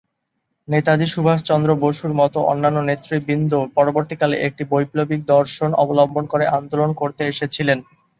নেতাজী সুভাষ চন্দ্র বসু’র মত অন্যান্য নেতৃবৃন্দ পরবর্তীকালে একটি বৈপ্লবিক দর্শন অবলম্বন করে আন্দোলনে করতে এসেছিলেন।